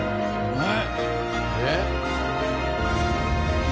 えっ？